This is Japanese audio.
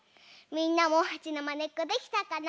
みんなもはちのまねっこできたかな？